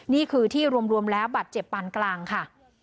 นี่คือที่รวมแล้วบัตรเจ็บปานกลางค่ะ